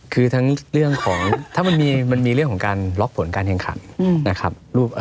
คือทั้งเรื่องของถ้ามันมีเรื่องของการล็อกผลการแข่งขันนะครับ